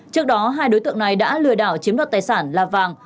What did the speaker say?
trước đó hai đối tượng này đã lừa đảo chiếm đoạt tài sản là vàng